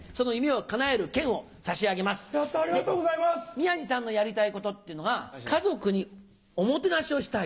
宮治さんのやりたいことっていうのが家族におもてなしをしたい。